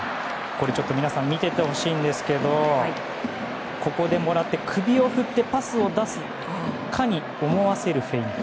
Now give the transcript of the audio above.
皆さん見ていてほしいんですけどここでもらって首を振ってパスを出すかに思わせるフェイント。